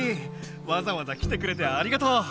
わざわざ来てくれてありがとう。